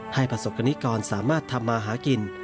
ประสบกรณิกรสามารถทำมาหากิน